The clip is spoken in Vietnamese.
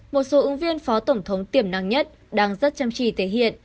một số ứng viên phó tổng thống tiềm năng nhất đang rất chăm chỉ thể hiện